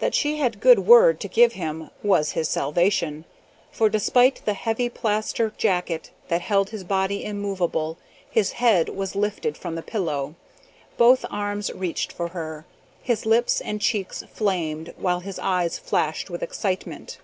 That she had good word to give him was his salvation, for despite the heavy plaster jacket that held his body immovable, his head was lifted from the pillow. Both arms reached for her. His lips and cheeks flamed, while his eyes flashed with excitement.